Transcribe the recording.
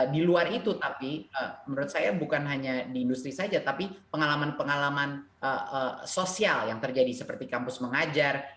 di luar itu tapi menurut saya bukan hanya di industri saja tapi pengalaman pengalaman sosial yang terjadi seperti kampus mengajar